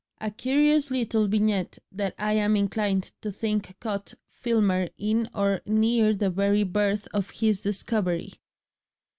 A curious little vignette that I am inclined to think caught Filmer in or near the very birth of his discovery.